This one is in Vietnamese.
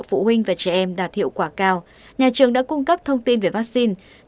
phụ huynh và trẻ em đạt hiệu quả cao nhà trường đã cung cấp thông tin về vaccine